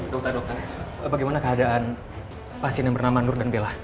dokter dokter bagaimana keadaan pasien yang bernama nur dan bella